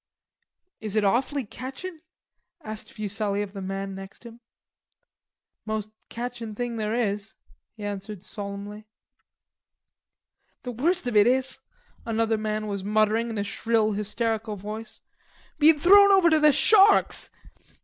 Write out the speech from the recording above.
"Is it awfully catchin'?" asked Fuselli of the man next him. "Most catchin' thing there is," he answered solemnly. "The worst of it is," another man was muttering in a shrill hysterical voice, "bein' thrown over to the sharks.